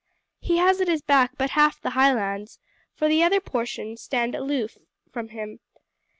He has at his back but half the Highlands, for the other portion stand aloof from him.